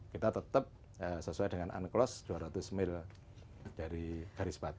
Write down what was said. kita tetap sesuai dengan unclos dua ratus mil dari garis batas